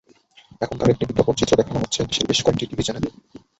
এখন তাঁর একটি বিজ্ঞাপনচিত্র দেখানো হচ্ছে দেশের বেশ কয়েকটি টিভি চ্যানেলে।